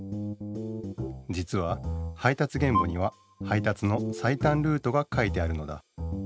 じつは配達原簿には配達の最短ルートが書いてあるのだ。